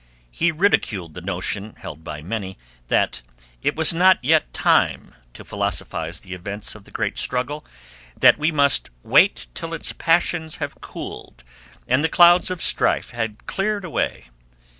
He ridiculed the notion, held by many, that "it was not yet time" to philosophize the events of the great struggle; that we must "wait till its passions had cooled," and "the clouds of strife had cleared away."